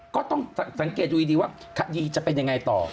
ก็ต้องสังเกตดูดีว่าคดีจะเป็นยังไงต่อ